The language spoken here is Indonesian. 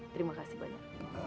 terima kasih banyak